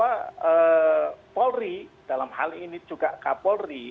bahwa polri dalam hal ini juga kapolri